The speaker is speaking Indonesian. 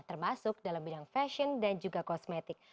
termasuk dalam bidang fashion dan juga kosmetik